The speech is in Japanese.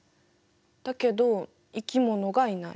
だけど生き物がいない。